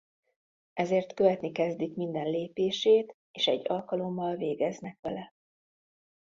Ezért követni kezdik minden lépését és egy alkalommal végeznek vele.